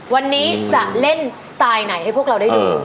วันนี้จะเล่นสไตล์ไหนให้พวกเราได้ดู